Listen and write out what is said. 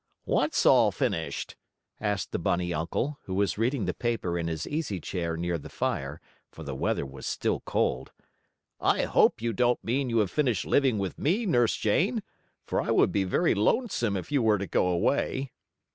"What's all finished?" asked the bunny uncle, who was reading the paper in his easy chair near the fire, for the weather was still cold. "I hope you don't mean you have finished living with me, Nurse Jane? For I would be very lonesome if you were to go away."